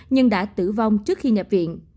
nhưng đã tử vong trước khi nhập viện